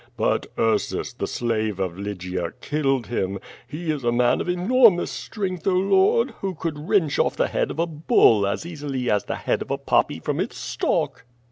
But Ursus, the slave of Lygia, killed him. He is a man of enormous strength, Oh Ijord, who could wrench off the head of a bull as easily as the head of a poppy from its stalk.